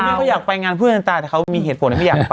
ไม่อยากไปงานเพื่อนกันตายแต่เขามีเหตุผลอยากไป